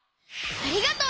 ありがとう！